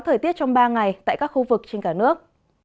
thời tiết trong ba ngày tại các khu vực trên cả nước